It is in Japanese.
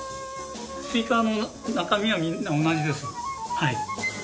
スピーカーの中身はみんな同じです。